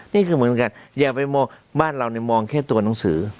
นี่คือเหมือนกันอย่าไปมองบ้านเรามองแค่ตัวหนังสือ